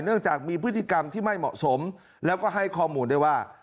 จากมีพฤติกรรมที่ไม่เหมาะสมแล้วก็ให้ข้อมูลได้ว่า